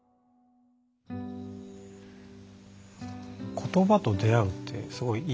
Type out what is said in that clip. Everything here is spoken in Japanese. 言葉と出会うってすごいいいですよね。